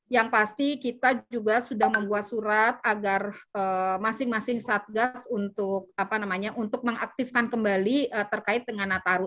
yang pasti kita juga sudah membuat surat agar masing masing satgas untuk mengaktifkan kembali terkait dengan nataru